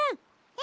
え！？